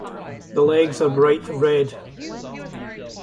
The legs are bright red.